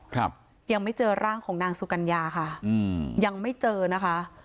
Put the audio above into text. ครับยังไม่เจอร่างของนางสุกัญญาค่ะอืมยังไม่เจอนะคะ